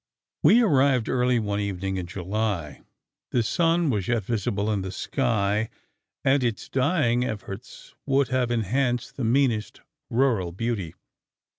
We arrived early one evening in July; the sun was yet visible in the sky and its dying efforts would have enhanced the meanest rural beauty.